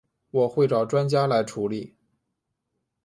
我会找专家来处理